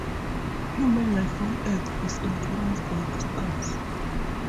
Human life on earth is influenced by the stars.